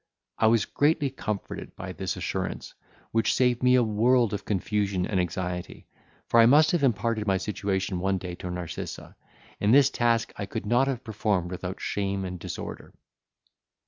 I was greatly comforted by this assurance, which saved me a world of confusion and anxiety; for I must have imparted my situation one day to Narcissa, and this task I could not have performed without shame and disorder.